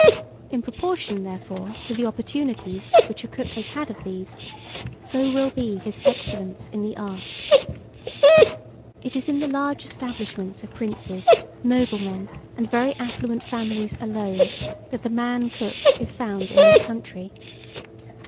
In proportion, therefore, to the opportunities which a cook has had of these, so will be his excellence in the art. It is in the large establishments of princes, noblemen, and very affluent families alone, that the man cook is found in this country.